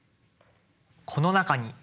この中に。